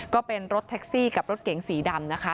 ก็เป็นรถแท็กซี่กับรถเก๋งสีดำนะคะ